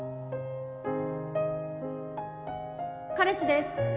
彼氏です